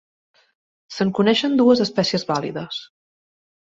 Se'n coneixen dues espècies vàlides.